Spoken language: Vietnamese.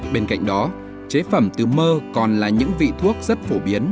bên cạnh đó chế phẩm từ mơ còn là những vị thuốc rất phổ biến